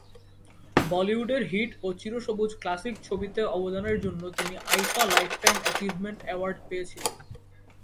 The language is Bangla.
বলিউডের হিট ও চিরসবুজ ক্লাসিক ছবিতে অবদানের জন্য তিনি আইফা লাইফটাইম অ্যাচিভমেন্ট অ্যাওয়ার্ড পেয়েছিলেন।